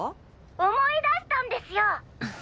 思い出したんですよ！